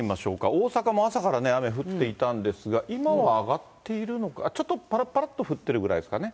大阪も朝から雨降っていたんですが、今はあがっているのかな、あっ、ちょっとぱらぱらっと降ってるぐらいですかね。